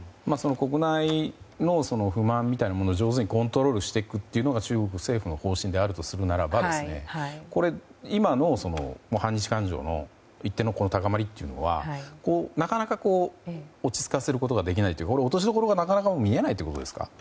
国内の不満みたいなものを上手にコントロールしていくのが中国政府の方針であるなら今の反日感情の一定の高まりというのはなかなか落ち着かせることができないというか落としどころが、なかなか見えないということですか。